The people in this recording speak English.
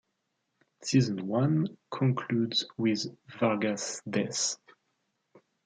Season one concludes with Vargas' death.